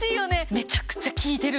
めちゃくちゃ効いてる